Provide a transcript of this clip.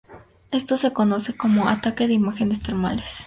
Esto se conoce como "ataque de imágenes termales".